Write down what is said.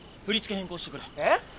えっ？